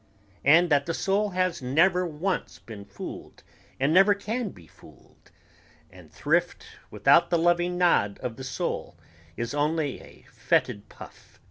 and that the soul has never once been fooled and never can be fooled ... and thrift without the loving nod of the soul is only a foetid puff